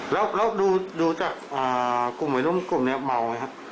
แล้วดูจากกลุ่มวัยรุ่นกลุ่มนี้เมาไหมครับ